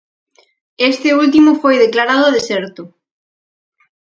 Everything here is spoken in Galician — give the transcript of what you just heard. Este último foi declarado deserto.